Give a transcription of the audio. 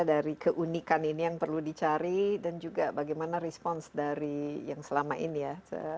dari keunikan ini yang perlu dicari dan juga bagaimana respons dari yang selama ini ya